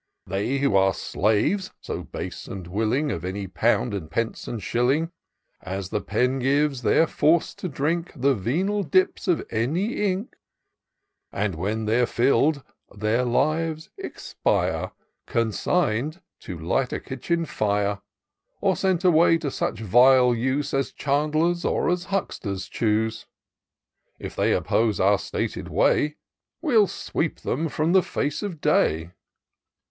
They who are slaves, so base and willing. Of any pound, and pence, and shilling. As the pen gives they're forc'd to drink The venal dips of any ink ; And when they're filled, their lives expire, Consign'd to light a kitchen fire ; Or sent away to such vile use As chandlers or as hucksters choose : If they oppose our stated way, We'll sweep them from the face of day.